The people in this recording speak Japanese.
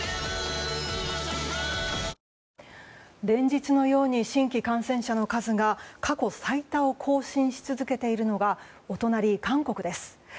連日のように新規感染者の数が過去最多を更新し続けているのはお隣、韓国です。